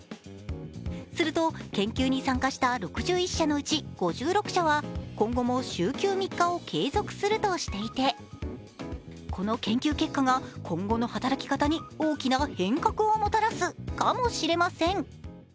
すると研究に参加した６１社のうち５６社は今後も週休３日を継続するとしていてこの研究結果が今後の働き方に大きな変革をもたらすかもしれません。